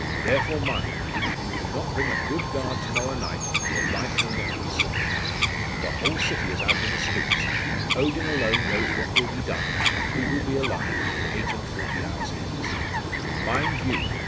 Therefore mind; if you do not bring a good guard to morrow night, your life will not be safe. The whole city is out in the streets; and Odin alone knows what will be done, and who will be alive, eight and forty hours hence. Mind you!